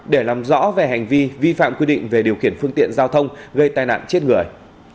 để làm rõ về hành vi vi phạm quy định về điều khiển phương tiện giao thông gây tai nạn chết người